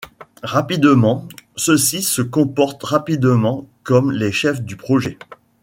Rapidement, ceux-ci se comportent rapidement comme les chefs du projet.